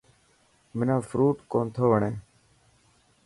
منا فروٽ ڪونٿو وڻي.